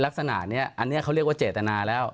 ลักษณะนี้เขาเรียกว่าเจตนาแล้ว